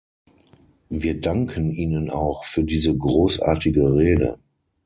Wir danken Ihnen auch für diese großartige Rede.